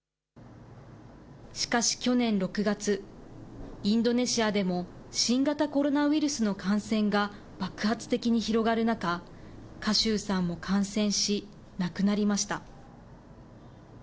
しかし去年６月、インドネシアでも新型コロナウイルスの感染が爆発的に広がる中、賀集さんも感染し、亡くなりました。